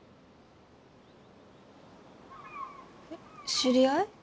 知り合い？